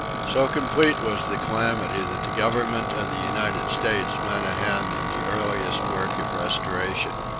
So complete was the calamity that the Government of the United States lent a hand in the earliest work of restoration.